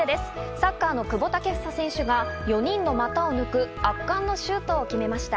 サッカーの久保建英選手が４人の股を抜く圧巻のシュートを決めました。